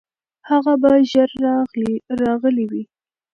هغه به ژر راغلی وي.